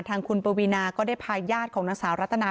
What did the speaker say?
ทางคุณปวีนาก็ได้พาญาติของนางสาวรัตนา